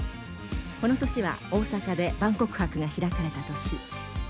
この年は大阪で万国博が開かれた年。